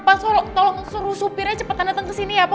bapak tolong suruh supirnya cepat datang ke sini ya pak